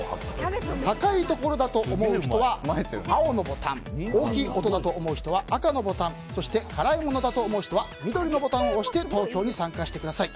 高いところだと思う人は青のボタン大きい音だと思う人は赤のボタンそして、辛いものだと思う人は緑のボタンを押して投票に参加してください。